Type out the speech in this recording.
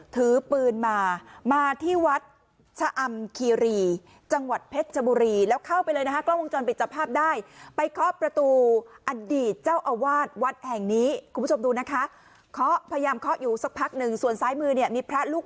ถือปืนมามาที่วัดชะอำคีรีจังหวัดเพชรชมุรี